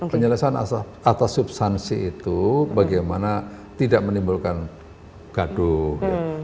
penyelesaian atas substansi itu bagaimana tidak menimbulkan gaduh